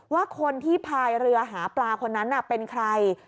ว่าคนที่พายเรือหาปลาคนนั้นเป็นใคร